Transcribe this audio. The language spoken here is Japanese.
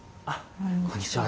こんにちは